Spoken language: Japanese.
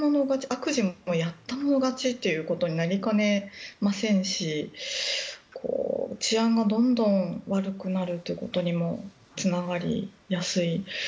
悪事もやったもの勝ちということになりかねませんし治安がどんどん悪くなるということにもつながりやすい。